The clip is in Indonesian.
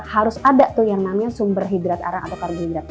harus ada tuh yang namanya sumber hidrat arang atau karbohidrat